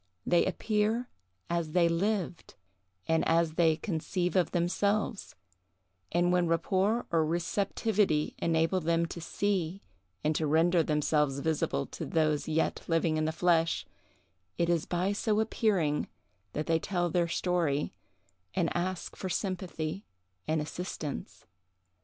They appear as they lived, and as they conceive of themselves; and when rapport or receptivity enable them to see, and to render themselves visible to those yet living in the flesh, it is by so appearing that they tell their story, and ask for sympathy and assistance.